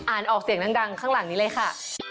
ออกเสียงดังข้างหลังนี้เลยค่ะ